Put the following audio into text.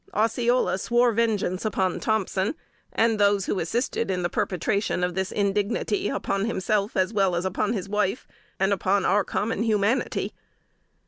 Osceola swore vengeance upon Thompson, and those who assisted in the perpetration of this indignity upon himself, as well as upon his wife, and upon our common humanity.